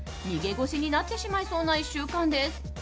逃げ腰になってしまいそうな１週間です。